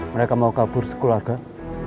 mereka mau kabur sekolah agar